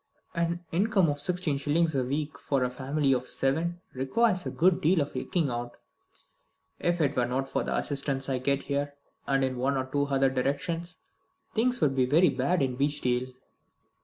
An income of sixteen shillings a week for a family of seven requires a good deal of ekeing out. If it were not for the assistance I get here, and in one or two other directions, things would be very bad in Beechdale."